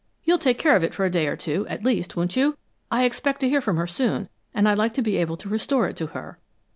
"You'll take care of it for a day or two, at least, won't you? I expect to hear from her soon, and I'd like to be able to restore it to her."